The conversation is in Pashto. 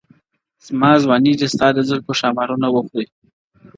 زما ځواني دي ستا د زلفو ښامارونه وخوري.